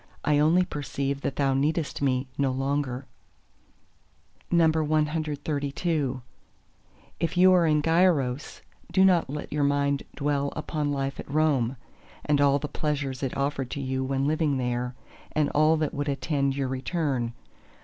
I only perceive that thou needest me no longer. CXXXIII If you are in Gyaros, do not let your mind dwell upon life at Rome, and all the pleasures it offered to you when living there, and all that would attend your return.